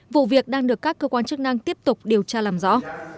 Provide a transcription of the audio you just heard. vụ việc đang được các cơ quan chức năng tiếp tục điều tra làm rõ